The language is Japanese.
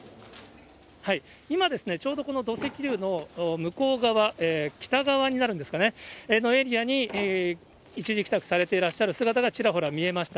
今ですね、ちょうどこの土石流の向こう側、北側になるんですかね、のエリアに一時帰宅されていらっしゃる姿がちらほら見えました。